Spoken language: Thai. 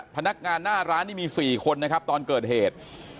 พนักงานหน้าร้านนี่มี๔คนนะครับตอนเกิดเหตุ